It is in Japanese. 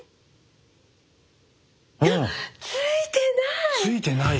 あっついてない！